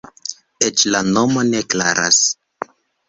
Eĉ la nomo ne klaras.